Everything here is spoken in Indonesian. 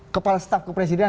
kepala staf kepentingan